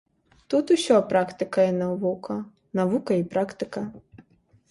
Тут усё практыка і навука, навука і практыка.